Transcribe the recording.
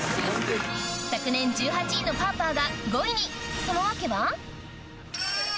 昨年１８位のパーパーが５位にその訳は？